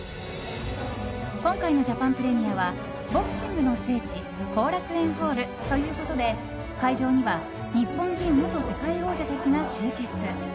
今回のジャパンプレミアはボクシングの聖地後楽園ホールということで会場には日本人元世界王者たちが集結。